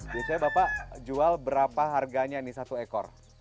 biasanya bapak jual berapa harganya nih satu ekor